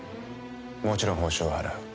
もちろん報酬は払う